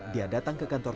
dia datang ke kantor